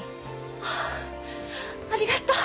はあありがとう！